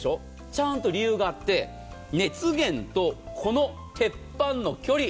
ちゃんと理由があって熱源とこの鉄板の距離